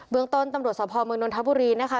เมืองต้นตำรวจสภเมืองนนทบุรีนะคะ